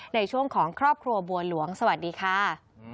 ในช่วงของครอบครัวบัวหลวงสวัสดีค่ะ